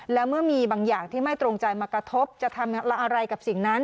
แล้วเมื่อมีบางอย่างที่ไม่ตรงใจมากระทบจะทำอะไรกับสิ่งนั้น